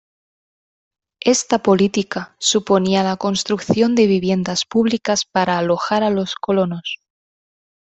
Esta política suponía la construcción de viviendas públicas para alojar a los colonos.